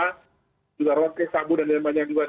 juga roke sabu dan banyak juga daerah daerah lain yang